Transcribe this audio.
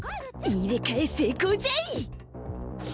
入れ替え成功じゃい